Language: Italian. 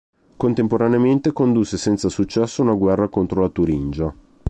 Contemporaneamente condusse senza successo una guerra contro la Turingia.